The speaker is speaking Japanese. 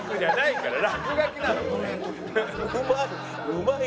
うまい。